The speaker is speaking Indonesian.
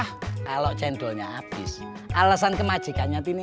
kalau cendolnya habis alasan kemajikannya nanti